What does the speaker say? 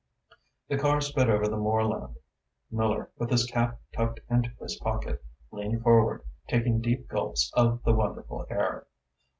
The car sped over the moorland. Miller, with his cap tucked into his pocket, leaned forward, taking deep gulps of the wonderful air.